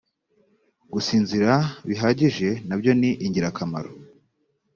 gusinzira bihagije na byo ni ingirakamaro .